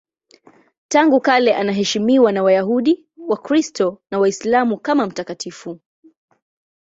Tangu kale anaheshimiwa na Wayahudi, Wakristo na Waislamu kama mtakatifu.